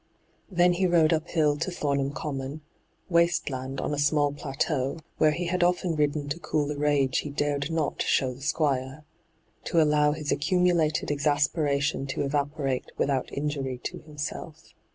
Then he rode uphill to Thornham Common — ^waste land on a small plateau, where he had hyGoogIc 82 ENTRAPPED often ridden to cool the rage he dared not show the Squire — to allow his accumulated exasperation to evaporate without injury to himself.